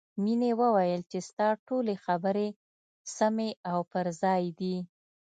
مینې وویل چې ستا ټولې خبرې سمې او پر ځای دي